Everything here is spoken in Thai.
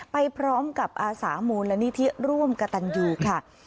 ไปพร้อมกับอาสามูลนิธิร่วมกระตันยูค่ะ